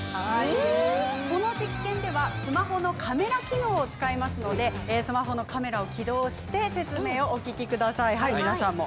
この実験ではスマホのカメラ機能を使いますのでスマホのカメラを起動して説明をお聞きください。